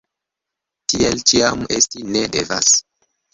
Tiel ĉiam esti ne devas!